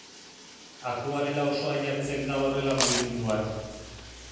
Akuarela osoa jartzen da horrela mugimenduan.